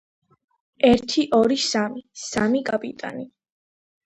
ერთი ორი სამი სამი კაპიტანი